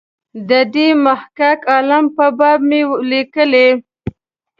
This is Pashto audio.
د دې محقق عالم په باب مې لیکلي.